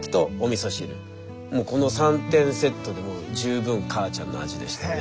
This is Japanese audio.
もうこの３点セットでもう十分母ちゃんの味でしたね。